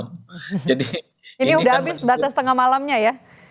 ini udah habis batas tengah malamnya ya